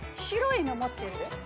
白いの持ってる。